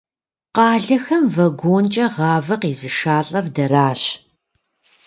Къалэхэм вагонкӏэ гъавэ къезышалӏэр дэращ.